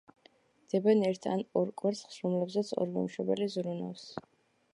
დებენ ერთ ან ორ კვერცხს, რომლებზეც ორივე მშობელი ზრუნავს.